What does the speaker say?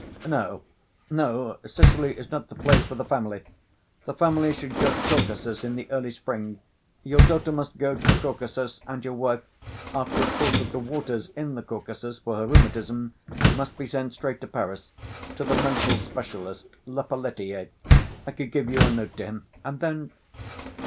"N—no, Sicily is not the place for the family, the family should go to Caucasus in the early spring ... your daughter must go to the Caucasus, and your wife ... after a course of the waters in the Caucasus for her rheumatism ... must be sent straight to Paris to the mental specialist Lepelletier; I could give you a note to him, and then